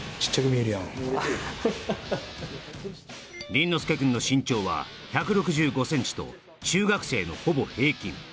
倫之亮くんの身長は１６５ｃｍと中学生のほぼ平均